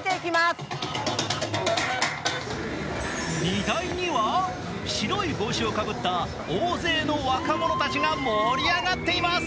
荷台には白い帽子をかぶった大勢の若者たちが盛り上がっています。